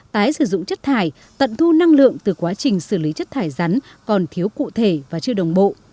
tái sử dụng chất thải tận thu năng lượng từ quá trình xử lý chất thải rắn còn thiếu cụ thể và chưa đồng bộ